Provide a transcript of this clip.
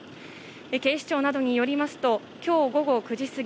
警視庁などによりますと今日午後９時過ぎ